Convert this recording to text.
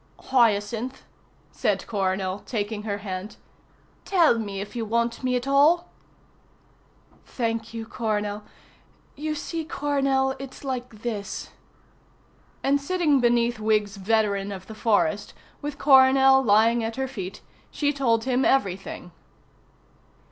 "Hyacinth," said Coronel, taking her hand, "tell me if you want me at all." "Thank you, Coronel. You see, Coronel, it's like this." And sitting beneath Wiggs's veteran of the forest, with Coronel lying at her feet, she told him everything.